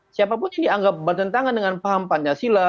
siapapun yang dianggap bertentangan dengan paham pancasila